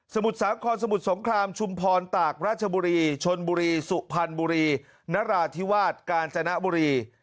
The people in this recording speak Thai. มุทรสาครสมุทรสงครามชุมพรตากราชบุรีชนบุรีสุพรรณบุรีนราธิวาสกาญจนบุรี